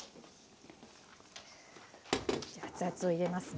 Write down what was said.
じゃあ熱々を入れますね。